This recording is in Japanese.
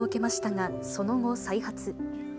手術を受けましたが、その後、再発。